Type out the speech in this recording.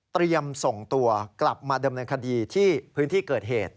ส่งตัวกลับมาเดิมเนินคดีที่พื้นที่เกิดเหตุ